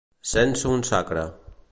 Sense un sacre.